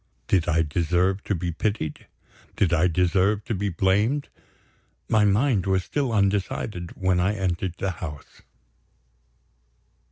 Did I deserve to be pitied? did I deserve to be blamed? my mind was still undecided when I entered the house.